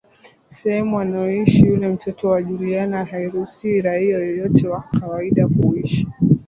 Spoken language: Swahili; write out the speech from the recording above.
Sehemu anayoishi yule mtoto wa Juliana hairuhusiwi raia yeyote wa kawaida kuishi